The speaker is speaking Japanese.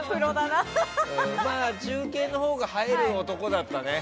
中継のほうが映える男だったね。